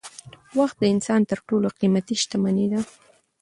وخت د انسان تر ټولو قيمتي شتمني ده.